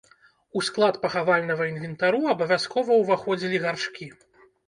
У склад пахавальнага інвентару абавязкова ўваходзілі гаршкі.